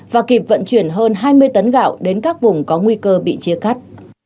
và kịp vận chuyển hơn hai mươi tấn gạo đến các vùng có nguy cơ bị chia cắt